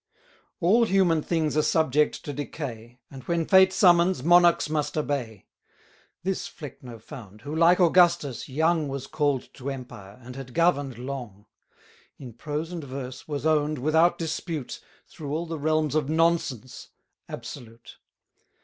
All human things are subject to decay, And when fate summons, monarchs must obey. This Flecknoe found, who, like Augustus, young Was call'd to empire, and had govern'd long; In prose and verse, was own'd, without dispute, Through all the realms of Nonsense, absolute.